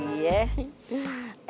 jadi ayah keingetan dia